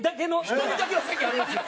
１人だけの席あるんですよ。